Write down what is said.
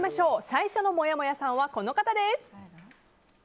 最初のもやもやさんはこの方です。